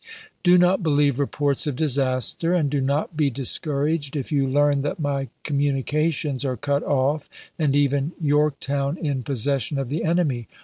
Do not believe reports of disaster, and do not be discouraged if you learn McClellan that my communications are cut off, and even to Stanton, ''' i"sc°*i2 M. Yorktown in possession of the enemy.